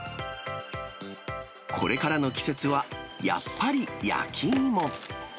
これからの季節はやっぱり焼き芋。